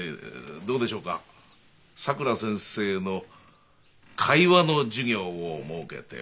どうでしょうかさくら先生の会話の授業を設けては。